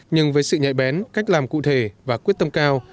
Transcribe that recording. nhưng với sự nhạy bén cách làm cụ thể và quyết tâm cao